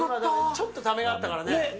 ちょっとためがあったからね。